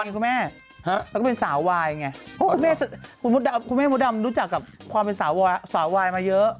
คุณแม่โมดำรู้จักกับความเป็นสาววายมาเยอะ